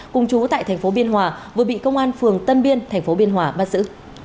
cùng chú tại thành phố biên hòa vừa bị công an phường tân biên tp biên hòa bắt giữ